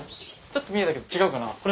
ちょっと見えたけど違うかな？